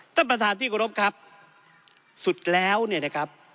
ท่านประธานที่กรบครับสุดแล้วเนี่ยนะครับ